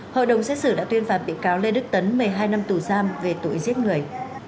hội đồng xét xử đã tuyên phạt bị cáo lê đức tấn một mươi hai năm tù giam về tội giết người